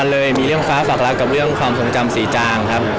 ในเรื่องเพลิงค้างเทียนครับ